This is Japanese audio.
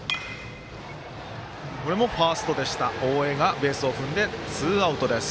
ファースト大江がベースを踏んでツーアウトです。